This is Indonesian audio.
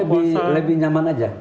saya lebih nyaman aja